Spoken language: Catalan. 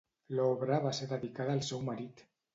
L'obra va ser dedicada al seu marit.